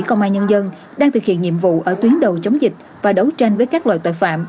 công an nhân dân đang thực hiện nhiệm vụ ở tuyến đầu chống dịch và đấu tranh với các loại tội phạm